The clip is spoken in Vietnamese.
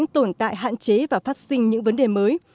tồn tại hạn chế và phát sinh những vấn đề mới